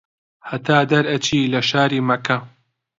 هەتا دەرئەچی لە شاری مەککە